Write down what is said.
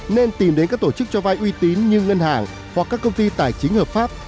nên tìm đến các tổ chức cho vai uy tín như ngân hàng hoặc các công ty tài chính hợp pháp